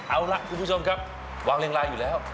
เอาล่ะคุณผู้ชมครับวางเรียงลายอยู่แล้ว